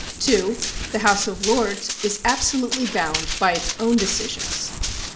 (2) The House of Lords is absolutely bound by its own decisions.